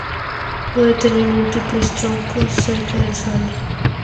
Puede tener múltiples troncos cerca del suelo.